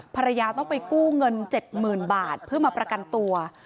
ภรรยาต้องไปกู้เงิน๗๐๐๐๐บาทเพื่อมาประกันตัว